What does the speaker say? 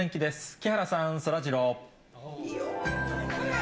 木原さん、そらジロー。